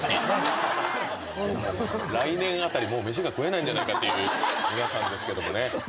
来年あたり飯が食えないんじゃないかっていう皆さんですけど。